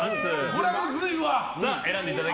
これはむずいわ。